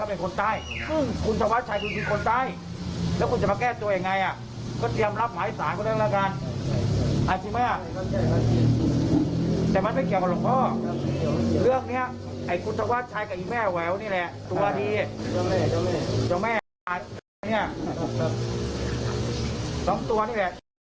อ้าวอ้าวอ้าวอ้าวอ้าวอ้าวอ้าวอ้าวอ้าวอ้าวอ้าวอ้าวอ้าวอ้าวอ้าวอ้าวอ้าวอ้าวอ้าวอ้าวอ้าวอ้าวอ้าวอ้าวอ้าวอ้าวอ้าวอ้าวอ้าวอ้าวอ้าวอ้าวอ้าวอ้าวอ้าวอ้าวอ้าวอ้าวอ้าวอ้าวอ้าวอ้าวอ้าวอ้าวอ